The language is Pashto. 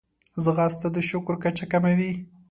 ځغاسته د شکر کچه کموي